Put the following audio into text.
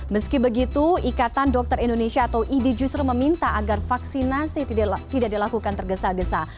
meski begitu ikatan dokter indonesia atau idi justru meminta agar vaksinasi tidak dilakukan tergesa gesa